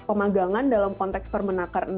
pemagangan dalam konteks permenakar